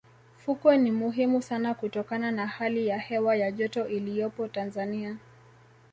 fukwe ni muhimu sana kutokana na hali ya hewa ya joto iliyopo tanzania